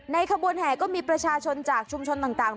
ขบวนแห่ก็มีประชาชนจากชุมชนต่าง